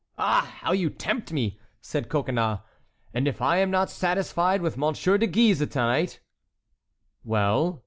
"Ah, how you tempt me!" said Coconnas; "and if I am not satisfied with Monsieur de Guise to night"— "Well?"